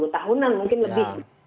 dua puluh tahunan mungkin lebih